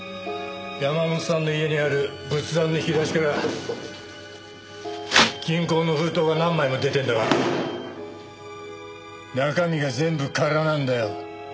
山本さんの家にある仏壇の引き出しから銀行の封筒が何枚も出てんだが中身が全部空なんだよ。